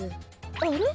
あれ？